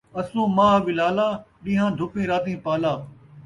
اسوں ماہ ولالا، ݙینہیں دھپیں راتیں پالا